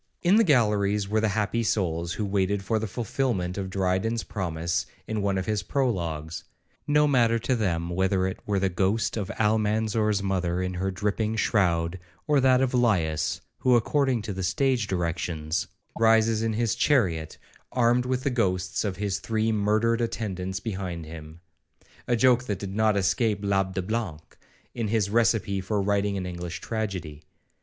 1 In the galleries were the happy souls who waited for the fulfilment of Dryden's promise in one of his prologues;2 no matter to them whether it were the ghost of Almanzor's mother in her dripping shroud, or that of Laius, who, according to the stage directions, rises in his chariot, armed with the ghosts of his three murdered attendants behind him;—a joke that did not escape l'Abbe le Blanc3, in his recipe for writing an English tragedy.